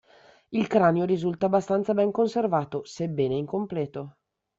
Il cranio risulta abbastanza ben conservato, sebbene incompleto.